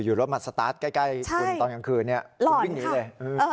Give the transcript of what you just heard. รถมาสตาร์ทใกล้คุณตอนกลางคืนคุณวิ่งหนีเลย